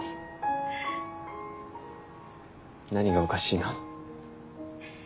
何がおかしいの？